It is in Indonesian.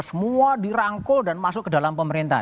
semua dirangkul dan masuk ke dalam pemerintahan